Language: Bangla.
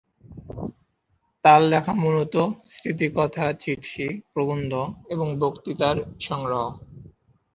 তাঁর লেখা মূলত স্মৃতিকথা, চিঠি, প্রবন্ধ এবং বক্তৃতার সংগ্রহ।